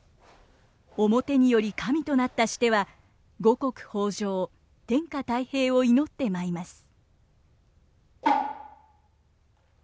面により神となったシテは五穀豊穣天下泰平を祈って舞います。